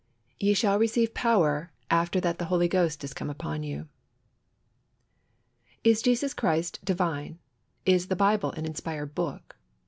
"Ye shall receive power after that the Holy Ghost is come upon you." Is Jesus Christ divine? Is the Bible an inspired Book?